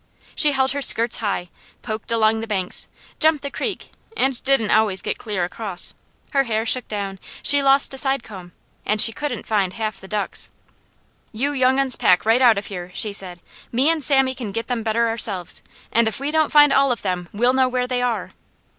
She held her skirts high, poked along the banks, jumped the creek and didn't always get clear across. Her hair shook down, she lost a sidecomb, and she couldn't find half the ducks. "You younguns pack right out of here," she said. "Me and Sammy can get them better ourselves, and if we don't find all of them, we'll know where they are."